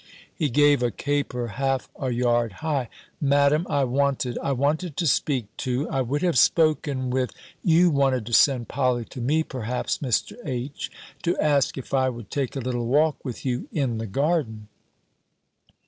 He gave a caper half a yard high "Madam, I wanted I wanted to speak to I would have spoken with " "You wanted to send Polly to me, perhaps, Mr. H., to ask if I would take a little walk with you in the garden."